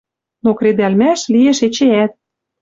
Но кредӓлмӓш лиэш эчеӓт.